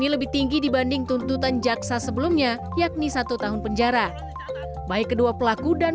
lebih tinggi dibanding tuntutan jaksa sebelumnya yakni satu tahun penjara baik kedua pelaku dan